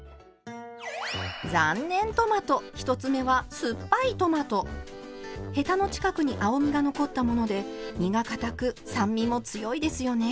残念トマト１つ目はヘタの近くに青みが残ったもので身がかたく酸味も強いですよね。